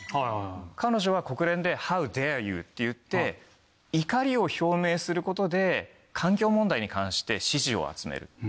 彼女は国連で「Ｈｏｗｄａｒｅｙｏｕ！」って言って怒りを表明することで環境問題に関して支持を集める。